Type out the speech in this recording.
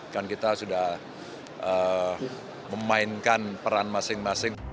kan kita sudah memainkan peran masing masing